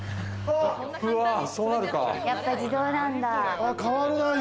やっぱ自動なんだ。